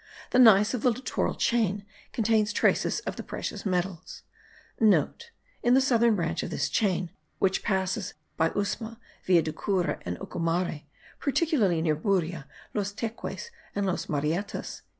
The gneiss of the littoral chain* contains traces of the precious metals (* In the southern branch of this chain which passes by Yusma, Villa de Cura and Ocumare, particularly near Buria, Los Teques and Los Marietas.)